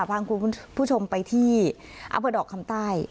พรางคุณผู้ชมไปที่อับดอกคำใต้